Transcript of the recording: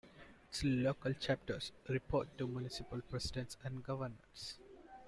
Its local chapters report to municipal presidents and governors.